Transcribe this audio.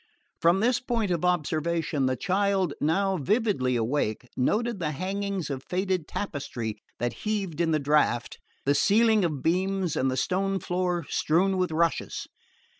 From this point of observation the child, now vividly awake, noted the hangings of faded tapestry that heaved in the draught, the ceiling of beams and the stone floor strewn with rushes.